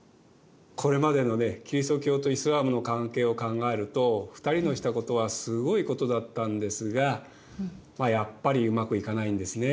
これまでのねキリスト教とイスラームの関係を考えると２人のしたことはすごいことだったんですがやっぱりうまくいかないんですね。